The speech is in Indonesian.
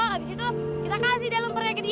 habis itu kita kasih dah lempernya ke dia